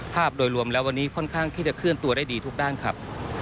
โดยรวมแล้ววันนี้ค่อนข้างที่จะเคลื่อนตัวได้ดีทุกด้านครับ